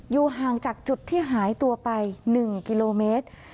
อยู่ห่างจากจุดที่หายตัวไป๑กิโลเมตร